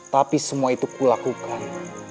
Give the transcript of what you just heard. tapi semua itu kulakukan